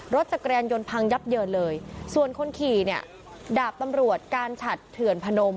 รถจักรยานยนต์พังยับเยินเลยส่วนคนขี่เนี่ยดาบตำรวจการฉัดเถื่อนพนม